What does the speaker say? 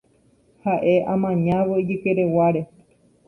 Ha'e amañávo ijykereguáre.